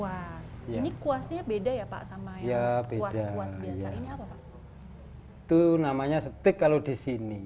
hai ini kuasnya beda ya pak sama ya beda beda ini apa pak itu namanya setik kalau disini